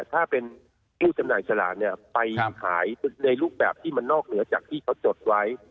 ถ้าเป็นผู้จำหน่ายสลากเนี่ยไปขายในรูปแบบที่มันนอกเหนือจากที่เขาจดไว้